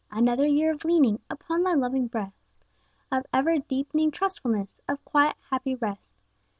Another year of leaning Upon Thy loving breast, Of ever deepening trustfulness, Of quiet, happy rest.